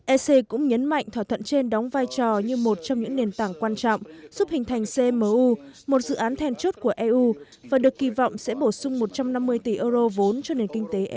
ec cũng nhấn mạnh thỏa thuận trên đóng vai trò như một trong những nền tảng quan trọng giúp hình thành cmu một dự án thèn chốt của eu và được kỳ vọng sẽ bổ sung một trăm năm mươi tỷ euro vốn cho nền kinh tế eu